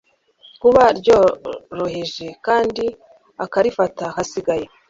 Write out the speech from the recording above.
kuba ryoroheje, kandi akarifata hasigaye